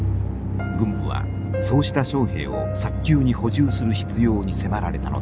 軍部はそうした将兵を早急に補充する必要に迫られたのです。